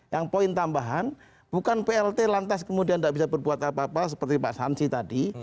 yang poin tambahan bukan plt lantas kemudian tidak bisa berbuat apa apa seperti pak samsi tadi